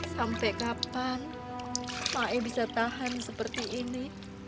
sampai kapan mae bisa tahan seperti ini